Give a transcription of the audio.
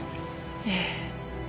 ええ。